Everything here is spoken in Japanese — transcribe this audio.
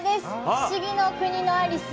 「不思議の国のアリス」。